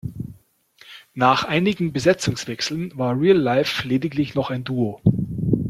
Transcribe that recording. Nach einigen Besetzungswechseln war Real Life lediglich noch ein Duo.